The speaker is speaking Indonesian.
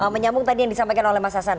menyambung tadi yang disampaikan oleh mas hasan